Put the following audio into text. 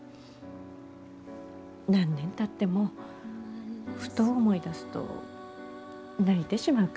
何年たってもふと思い出すと泣いてしまうから。